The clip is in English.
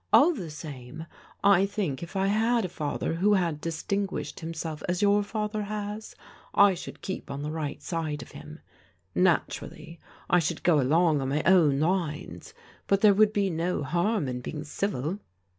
All the same I think if I had a father who had distinguished himself as your father has, I should keep on the right side of him. Naturally I should go along on my own lines, but there would be no harm in being civil."